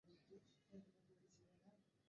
আমাদের হাতে বেশী সময় নেই।